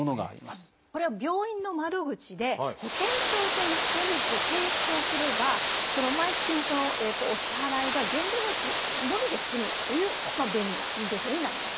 これは病院の窓口で保険証と一緒に提出をすれば毎月のお支払いが限度額のみで済むっていう便利な認定証になります。